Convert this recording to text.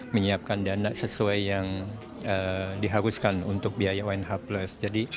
menyiapkan dana sesuai yang diharuskan untuk biaya onh plus